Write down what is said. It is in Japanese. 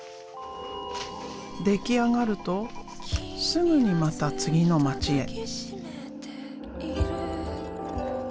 出来上がるとすぐにまた次の街へ。